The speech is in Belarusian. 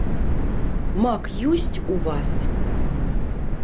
Мак ёсць у вас?